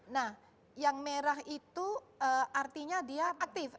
nah yang merah itu artinya dia aktif